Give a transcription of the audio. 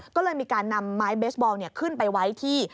ก็เลยมีการนำไม้เบสบอลขึ้นไปไว้ที่